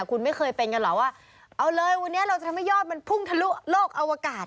คุณไม่เคยเป็นกันเหรอว่าเอาเลยวันนี้เราจะทำให้ยอดมันพุ่งทะลุโลกอวกาศ